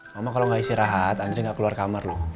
mama kalo gak isi rahat andri gak keluar kamar lu